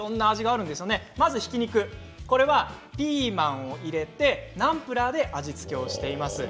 ひき肉はピーマンを入れてナンプラーで味付けをしています。